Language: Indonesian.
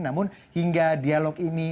namun hingga dialog ini tidak berhasil